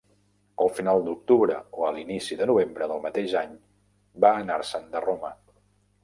Al final d'octubre o a l'inici de novembre del mateix any, va anar-se'n de Roma.